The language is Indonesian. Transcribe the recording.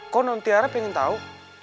kok non tiara pengen tahu